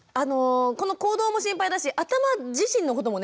この行動も心配だし頭自身のこともね心配ですよね。